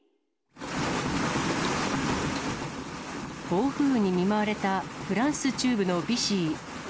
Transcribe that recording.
暴風雨に見舞われたフランス中部のビシー。